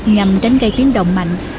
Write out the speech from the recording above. nhằm tránh gây tiếng động mạnh